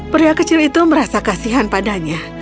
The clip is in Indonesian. pria kecil itu merasa kasihan padanya